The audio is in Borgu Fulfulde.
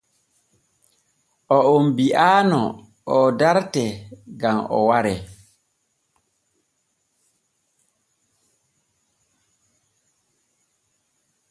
Oon bi’anoo o dartee gam o waree.